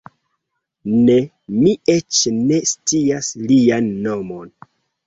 Ne; mi eĉ ne scias lian nomon.